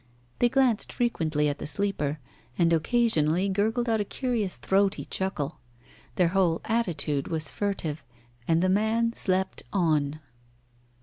They glanced frequently at the sleeper, and occasionally gurgled out a curious throaty chuckle. Their whole attitude was furtive, and the man slept on.